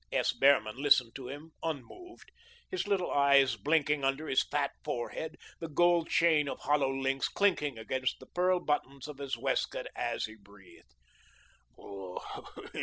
S. Behrman listened to him unmoved, his little eyes blinking under his fat forehead, the gold chain of hollow links clicking against the pearl buttons of his waistcoat as he breathed.